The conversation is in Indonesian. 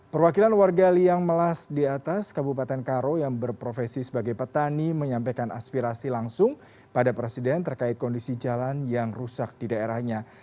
perwakilan warga liang melas di atas kabupaten karo yang berprofesi sebagai petani menyampaikan aspirasi langsung pada presiden terkait kondisi jalan yang rusak di daerahnya